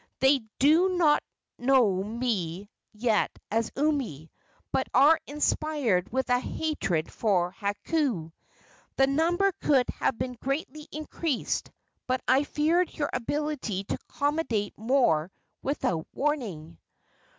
"They do not know me yet as Umi, but are inspired with a hatred for Hakau. The number could have been greatly increased, but I feared your ability to accommodate more without warning."